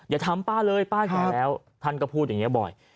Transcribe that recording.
อย่าทำป้าเลยป้าแก่แล้วท่านก็พูดอย่างนี้บ่อย